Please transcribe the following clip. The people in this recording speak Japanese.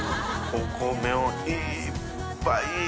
お米をいっぱい